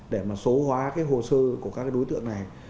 để mà số hóa cái hồ sơ của các cái đối tượng này